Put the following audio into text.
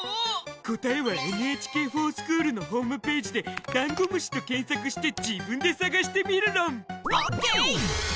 答えは「ＮＨＫｆｏｒＳｃｈｏｏｌ」のホームぺージでダンゴムシと検索して自分で探してみるろん！ＯＫ！